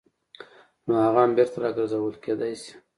نو هغه هم بېرته راګرځول کېدای شي.